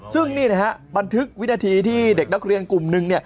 ซึ่งนี่นะฮะบันทึกวินาทีที่เด็กนักเรียนกลุ่มหนึ่ง